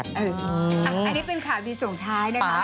อันนี้เป็นข่าวดีส่งท้ายนะคะ